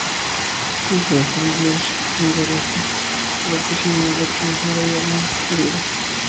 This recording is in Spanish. Fue hijo de Juan de Dios Melgarejo López y de Manuela Teresa Villalón Uribe.